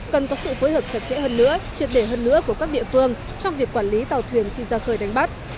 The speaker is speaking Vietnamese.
cần có sự phối hợp chặt chẽ hơn nữa triệt để hơn nữa của các địa phương trong việc quản lý tàu thuyền khi ra khơi đánh bắt